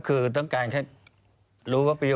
ควิทยาลัยเชียร์สวัสดีครับ